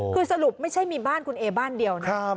คือสรุปไม่ใช่มีบ้านคุณเอบ้านเดียวนะ